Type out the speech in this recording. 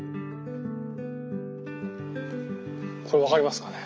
これ分かりますかね？